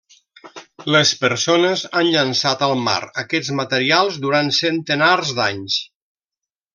Les persones han llançat al mar aquests materials durant centenars d'anys.